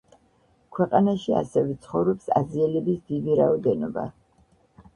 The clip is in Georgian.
ქვეყანაში ასევე ცხოვრობს აზიელების დიდი რაოდენობა.